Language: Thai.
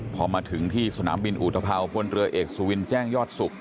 พอมาถึงที่สนามบินอุทภาวพลเรือเอกสุวินแจ้งยอดสุข